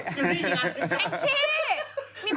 จริงนะ